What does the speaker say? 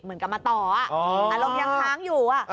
เหมือนกับมาต่ออารมณ์ยังค้างอยู่